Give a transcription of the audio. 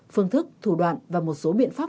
phương thức thủ đoạn và một số biện pháp